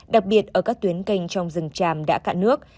đặc biệt ở các tuyến canh trong rừng tràm đã cạn nước